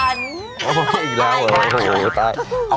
อ๋ออีกแล้ว